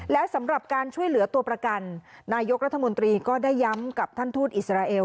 และสำหรับการช่วยเหลือตัวประกันนายกรัฐมนตรีก็ได้ย้ำกับท่านทูตอิสราเอล